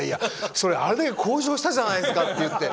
それはあれだけ交渉したじゃないですかって。